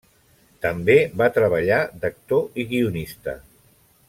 També va treballar d'actor i guionista.